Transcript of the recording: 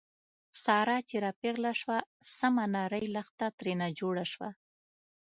ساره چې را پېغله شوه، سمه نرۍ لښته ترېنه جوړه شوه.